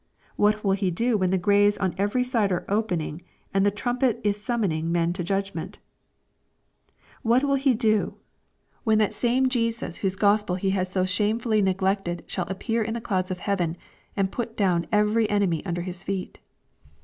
— What will he do when the graves on eveiysideare open ing, and the trumpet is suinmoniog men to judgment ?— What will he do when that same Jesus whose Gospel he 876 EXPOSITORY THOUGHTS. has so shamefully neglected shall appear in the clouds of heaven, and put down every enemy under His feet?